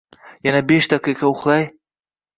Yana besh daqiqa uxlay